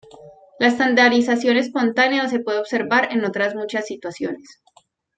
La estandarización espontánea se puede observar en otras muchas situaciones.